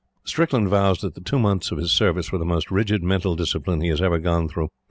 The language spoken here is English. Strickland vows that the two months of his service were the most rigid mental discipline he has ever gone through.